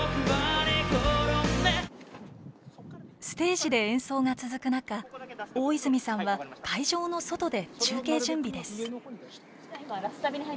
ステージで演奏が続く中大泉さんは会場の外で中継準備です。